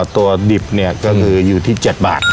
ตัวดิบก็คืออยู่ที่๗บาท